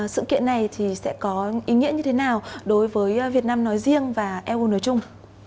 sự kiện này thì sẽ có ý nghĩa như thế nào đối với việt nam nói riêng và eu nói chung